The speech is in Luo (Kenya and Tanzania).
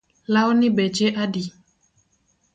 Lawni beche adi?